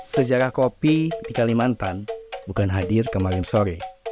sejarah kopi di kalimantan bukan hadir kemarin sore